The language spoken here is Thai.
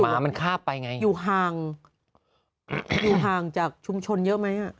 หมามันคาบไปไงอยู่ห่างอยู่ห่างจากชุมชนเยอะไหมอ่ะ